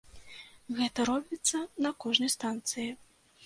Гэта робіцца на кожнай станцыі.